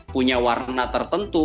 punya warna tertentu